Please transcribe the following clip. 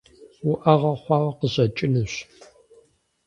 УӀэгъэ хъуауэ къыщӀэкӀынущ.